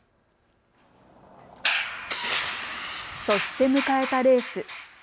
そして迎えたレース。